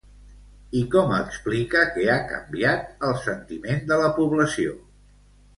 I com explica que ha canviat el sentiment de la població?